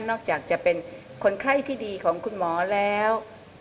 อกจากจะเป็นคนไข้ที่ดีของคุณหมอแล้ว